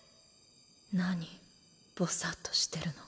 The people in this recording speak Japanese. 何ぼさっとしてるの？